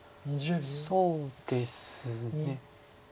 そうですね。